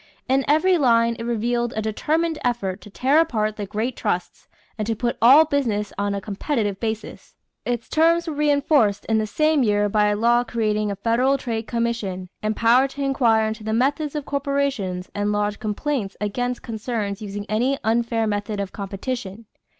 In every line it revealed a determined effort to tear apart the great trusts and to put all business on a competitive basis. Its terms were reinforced in the same year by a law creating a Federal Trade Commission empowered to inquire into the methods of corporations and lodge complaints against concerns "using any unfair method of competition."